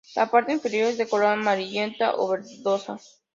La parte inferior es de color amarillenta o verdosa.